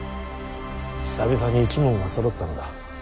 久々に一門がそろったのだ。